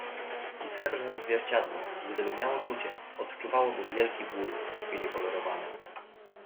"„I srebrne zwierciadło, gdyby miało czucie, odczuwało by wielki ból w chwili polerowania."